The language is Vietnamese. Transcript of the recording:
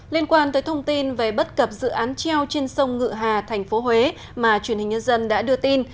liên quan tới thông tin về bất cập dự án treo trên sông ngựa hà thành phố huế mà truyền hình nhân dân đã đưa tin